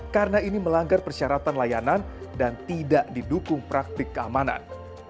karena ini melanggar persyaratan layanan dan tidak didukung praktik keamanan